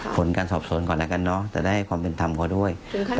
ผลการสอบสวนก่อนแล้วกันเนอะจะได้ให้ความเป็นธรรมเขาด้วย